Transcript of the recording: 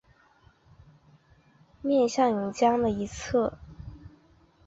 面向甬江的一侧则利用两个扁平长方形相互叠加从而体现出船的形象。